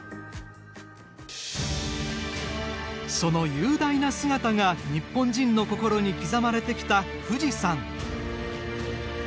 その雄大な姿が日本人の心に刻まれてきた富士山。